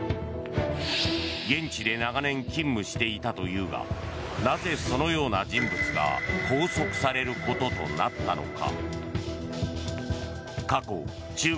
現地で長年勤務していたというがなぜそのような人物が拘束されることとなったのか。